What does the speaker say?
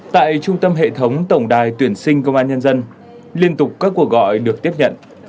tại trung tâm hệ thống tổng đài tuyển sinh công an nhân dân liên tục các cuộc gọi được tiếp nhận